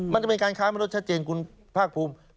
มันจะเป็นการค้ามนุษย์ชัดเจนคุณภาคภูมิ